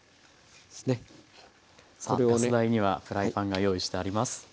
さあガス台にはフライパンが用意してあります。